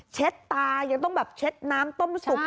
เช็ดตาเรายังต้องแบบเช็ดน้ำต้มศุกร์